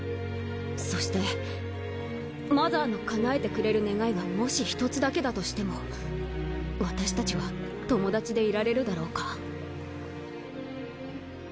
そしてマザーの叶えてくれる願いがもし１つだけだとしても私たちは友達でいられるだろうか。